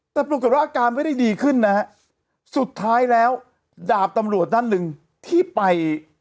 แต่ปรากฏว่าอาการไม่ได้ดีขึ้นนะฮะสุดท้ายแล้วดาบตำรวจท่านหนึ่งที่ไป